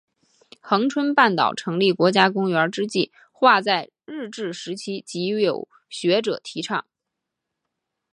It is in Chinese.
恒春半岛成立国家公园之计画在日治时期即有学者提倡。